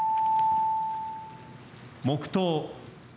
黙とう。